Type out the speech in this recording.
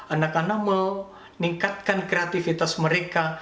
anak anak meningkatkan kreativitas mereka